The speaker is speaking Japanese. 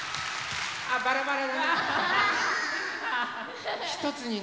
あっバラバラだね。